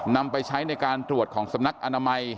นำไปใช้ในการตรวจของสำนักอนามัย